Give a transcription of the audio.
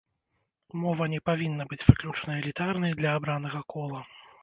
Мова не павінна быць выключна элітарнай, для абранага кола.